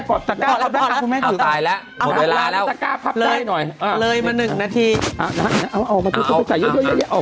เขาทำได้หมดคุณแม่นนี่ไงเก็บของให้เยอะจะบอกให้คุณเก็บของให้เยอะ